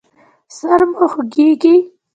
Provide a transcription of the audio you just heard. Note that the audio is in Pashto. سر مو خوږیږي؟